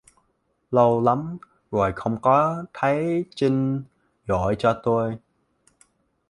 Lâu lắm rồi không có thấy chinh gọi cho tôi